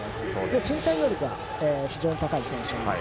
身体能力が非常に高い選手です。